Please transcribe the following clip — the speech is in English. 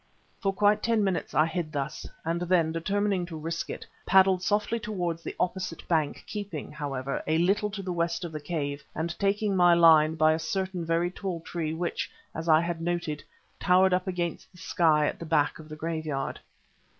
For quite ten minutes I hid thus, and then, determining to risk it, paddled softly towards the opposite bank keeping, however, a little to the west of the cave and taking my line by a certain very tall tree which, as I had noted, towered up against the sky at the back of the graveyard.